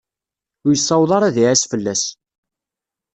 Ur yessaweḍ ara ad iɛas fell-as.